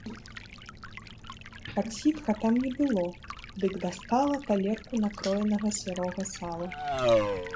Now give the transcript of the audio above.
Падсітка там не было, дык дастала талерку накроенага сырога сала.